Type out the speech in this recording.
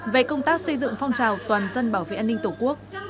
về công tác xây dựng phong trào toàn dân bảo vệ an ninh tổ quốc